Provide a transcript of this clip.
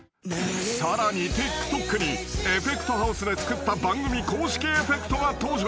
［さらにＴｉｋＴｏｋにＥｆｆｅｃｔＨｏｕｓｅで作った番組公式エフェクトが登場］